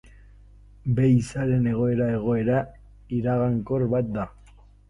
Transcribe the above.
Be izarren egoera egoera iragankor bat da.